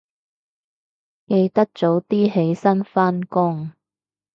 記得早啲起身返工